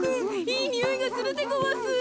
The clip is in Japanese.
いいにおいがするでごわす。